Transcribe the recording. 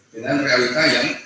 dengan realita yang